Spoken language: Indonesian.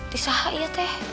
tisaha ya teh